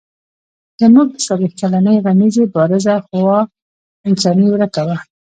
زموږ د څلوېښت کلنې غمیزې بارزه خوا انساني ورکه وه.